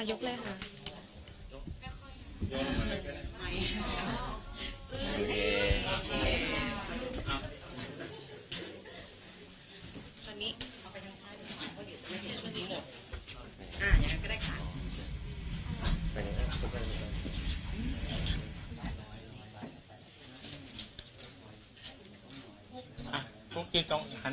ยืนตรงเอาล่ะป้นหอมพุกจ๊ะจ๊ะนะ